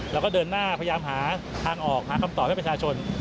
แล้วก็เดินหน้าพยายามหาทางออกหาคำตอบให้ประชาชน